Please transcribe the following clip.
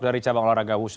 dari cabang olahraga wusu